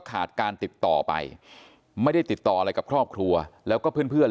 ขาดการติดต่อไปไม่ได้ติดต่ออะไรกับครอบครัวแล้วก็เพื่อนเพื่อน